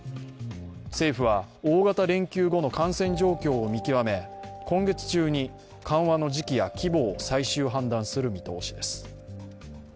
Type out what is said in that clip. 政府は大型連休後の感染状況を見極め、今月中に緩和の時期や規模を最終判断する見通しです。